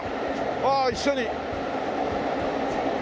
ああ一緒に。